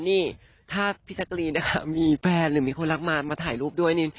นี่ถ้าพี่แจ๊กรีนนะคะมีแฟนหรือมีคนรักมามาถ่ายรูปด้วยนี่